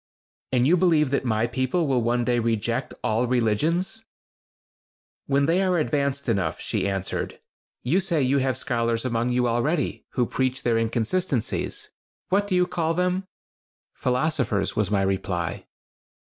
"And you believe that my people will one day reject all religions?" "When they are advanced enough," she answered. "You say you have scholars among you already, who preach their inconsistencies. What do you call them?" "Philosophers," was my reply.